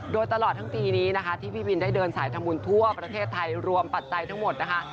โดยตลอดทั้งปีนี้นะคะที่พี่บินได้เดินสายทำบุญทั่วประเทศไทยรวมปัจจัยทั้งหมดนะคะ